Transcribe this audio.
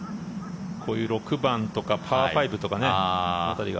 こういう６番とかパー５辺りが。